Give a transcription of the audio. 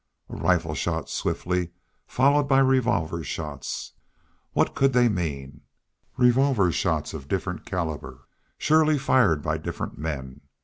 A rifle shot swiftly followed by revolver shots! What could, they mean? Revolver shots of different caliber, surely fired by different men!